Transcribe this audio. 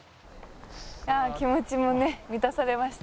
いや気持ちもね満たされましたね。